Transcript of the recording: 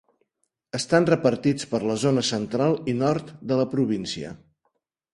Estan repartits per la zona central i nord de la província.